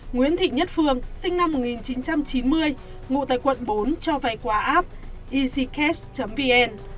nguyễn thị nhất phương sinh năm một nghìn chín trăm chín mươi ngụ tại quận bốn cho vay qua app easycast vn